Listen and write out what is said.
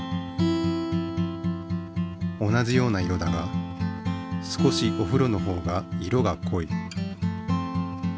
同じような色だが少しおふろのほうが色がこい。